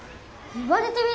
言われてみれば！